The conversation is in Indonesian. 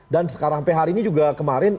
sekarang sampai hari ini juga kemarin